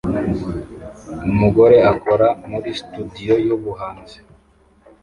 Umugore akora muri studio yubuhanzi